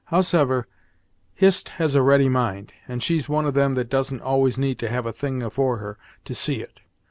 Howsever, Hist has a ready mind, and she's one of them that doesn't always need to have a thing afore her, to see it.